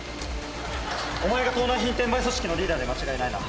おまえが盗難品転売組織のリーダーで間違いないな？